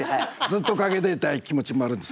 ずっとかけていたい気持ちもあるんですけどね。